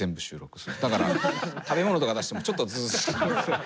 だから食べ物とか出してもちょっとズーッ。